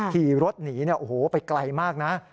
ที่รถหนีเนี่ยโอ้โหไปไกลมากนะ